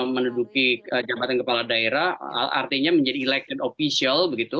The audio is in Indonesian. menuduki jabatan kepala daerah artinya menjadi elected official begitu